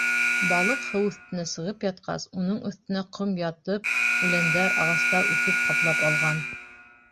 Балыҡ һыу өҫтөнә сығып ятҡас, уның өҫтөнә ҡом ятып, үләндәр, ағастар үҫеп ҡаплап алған.